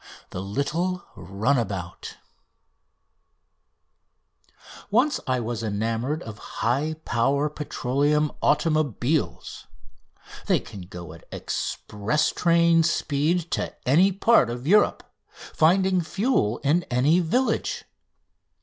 9," THE LITTLE RUNABOUT Once I was enamoured of high power petroleum automobiles: they can go at express train speed to any part of Europe, finding fuel in any village.